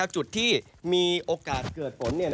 จุดที่มีโอกาสเกิดฝน